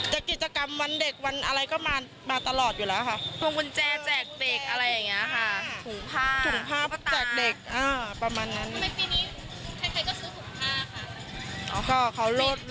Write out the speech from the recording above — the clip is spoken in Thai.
จะได้มาไว้ละ๔๐ค่ะ